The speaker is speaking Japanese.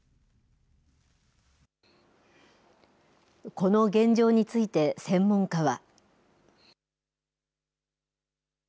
この現状について、専門家は。